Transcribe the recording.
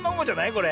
これ。